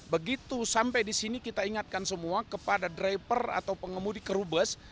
begitu sampai di sini kita ingatkan semua kepada driver atau pengemudi kerubus